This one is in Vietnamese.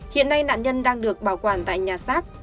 hiện nay nạn nhân đang được bảo quản tại nhà sát